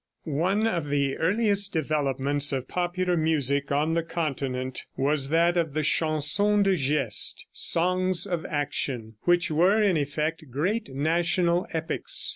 One of the earliest developments of popular music on the continent was that of the Chansons de Geste ("Songs of Action"), which were, in effect, great national epics.